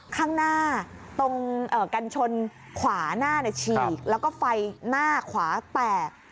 ข้างหน้าตรงกันชนขวาหน้าฉีกแล้วก็ไฟหน้าขวาแตก